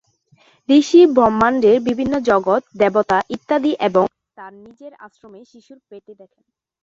ঋষি ব্রহ্মাণ্ডের বিভিন্ন জগৎ, দেবতা ইত্যাদি এবং তার নিজের আশ্রমে শিশুর পেটে দেখেন।